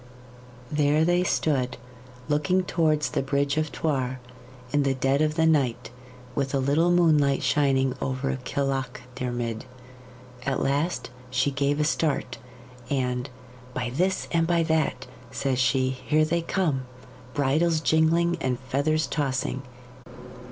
There they stood, looking towards the bridge of Thuar, in the dead of the night, with a little moonlight shining from over Kilachdiarmid. At last she gave a start, and "By this and by that," says she, "here they come, bridles jingling and feathers tossing!"